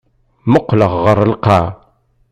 Mmuqqleɣ ɣer lqaɛa.